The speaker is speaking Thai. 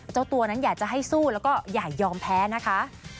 เจ้าตัวนั้นอยากจะให้สู้แล้วก็อย่ายอมแพ้นะคะ